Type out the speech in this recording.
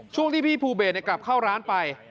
ช่วงที่พี่ภูเบสกลับเข้าร้านไป